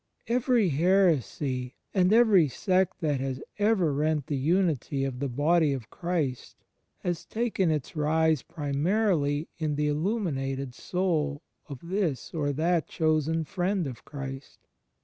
Every heresy and every sect that has ever rent the imity of the Body of Christ has taken its rise pri marily in the illuminated sotd of this or that chosen Friend of Christ.